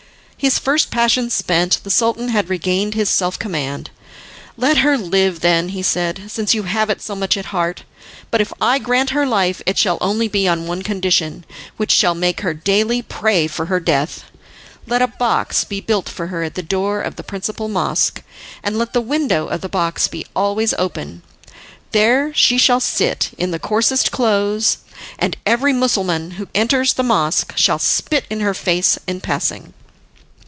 His first passion spent, the Sultan had regained his self command. "Let her live then," he said, "since you have it so much at heart. But if I grant her life it shall only be on one condition, which shall make her daily pray for death. Let a box be built for her at the door of the principal mosque, and let the window of the box be always open. There she shall sit, in the coarsest clothes, and every Mussulman who enters the mosque shall spit in her face in passing.